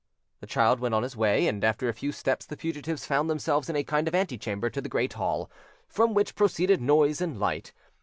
The child went on his way, and after a few steps the fugitives found themselves in a kind of antechamber to the great hall, from which proceeded noise and light.